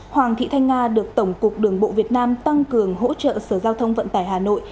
hoàng thị thanh nga được tổng cục đường bộ việt nam tăng cường hỗ trợ sở giao thông vận tải hà nội